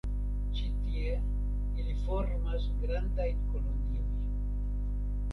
Ĉi tie ili formas grandajn kolonioj.